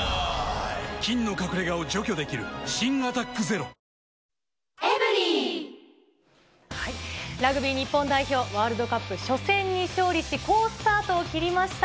菌の隠れ家を除去できる新「アタックＺＥＲＯ」ラグビー日本代表、ワールドカップ初戦に勝利し、好スタートを切りました。